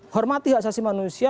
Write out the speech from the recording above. hormati hak asasi manusia